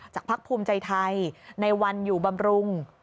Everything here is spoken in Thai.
พักภูมิใจไทยในวันอยู่บำรุง